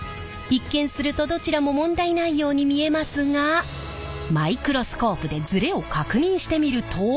一見するとどちらも問題ないように見えますがマイクロスコープでズレを確認してみると。